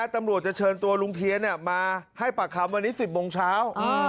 ตำรวจจะเชิญตัวลุงเทียนมาให้ปากคำวันนี้๑๐โมงเช้า